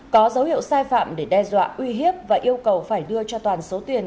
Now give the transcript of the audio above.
có dấu hiệu sai phạm để đe dọa uy hiếp và yêu cầu phải đưa cho toàn số tiền